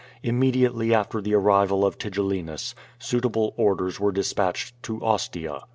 Immediately after the arrival of Tigellinus suitable orders were dispatchend to Ostia.